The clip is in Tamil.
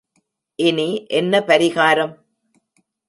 இனி என்ன பரிகாரம்?